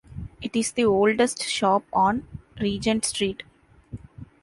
It is the oldest shop on Regent Street.